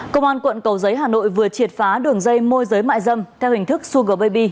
công an quận cầu giấy hà nội vừa triệt phá đường dây môi giới mại dâm theo hình thức sugar baby